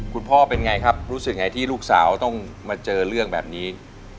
คุณพ่อเป็นไงครับรู้สึกไงที่ลูกสาวต้องมาเจอเรื่องแบบนี้